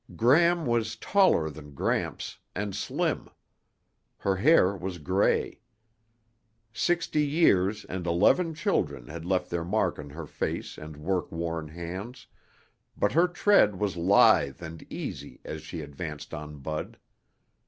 Gram was taller than Gramps, and slim. Her hair was gray. Sixty years and eleven children had left their mark on her face and work worn hands, but her tread was lithe and easy as she advanced on Bud.